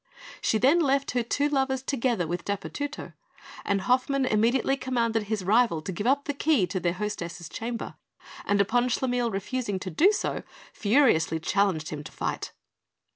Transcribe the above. She then left her two lovers together, with Dapurtutto; and Hoffmann immediately commanded his rival to give up the key of their hostess's chamber, and upon Schlemil refusing to do so, furiously challenged him to fight.